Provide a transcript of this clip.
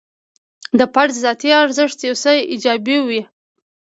د فرد ذاتي ارزښت یو څه ایجابوي.